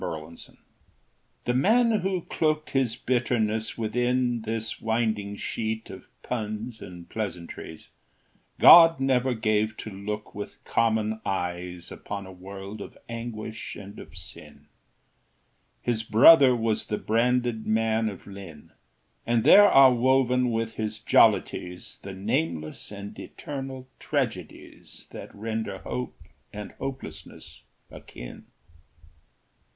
Thomas Hood The man who cloaked his bitterness within This winding sheet of puns and pleasantries, God never gave to look with common eyes Upon a world of anguish and of sin: His brother was the branded man of Lynn; And there are woven with his jollities The nameless and eternal tragedies That render hope and hopelessness akin.